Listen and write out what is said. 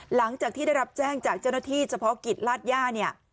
หลังจากที่ได้รับแจ้งจากเจ้าหน้าที่เฉพาะกิจลาดย่าเนี่ย